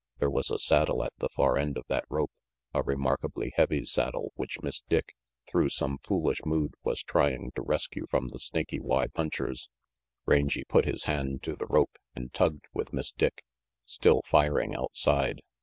There was a saddle at the far end of that rope, a remarkably heavy saddle which Miss Dick, through some foolish mood, was trying to rescue from the Snaky Y punchers. Rangy put his hand to the rope, and tugged with Miss Dick. Still firing outside.